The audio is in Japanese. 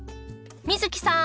美月さん